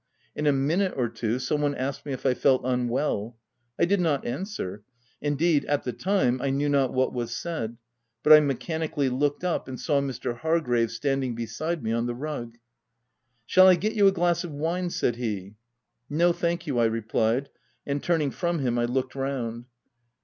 In a minute or two, some one asked me if I felt unwell. I did not answer — indeed, at the time I knew not what was said — but I mechanically looked up, and saw Mr. Hargrave standing beside me on the rug. " Shall I get you a glass of wine ? v said he. "No, thank you," I replied; and turning from him, I looked round.